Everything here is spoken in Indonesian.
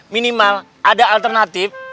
minimal ada alternatif